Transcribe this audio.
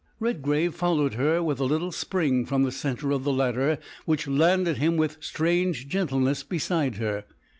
Redgrave followed her with a little spring from the centre of the ladder which landed him with strange gentleness beside her.